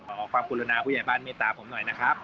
ขอความกรุณาผู้ใหญ่บ้านเมตตาผมหน่อยนะครับ